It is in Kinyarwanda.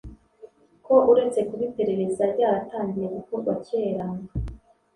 ko uretse kuba iperereza ryaratangiye gukorwa kera